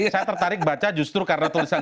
saya tertarik baca justru karena tulisan